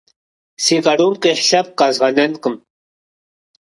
Си къарум къихь лъэпкъ къэзгъэнэнкъым!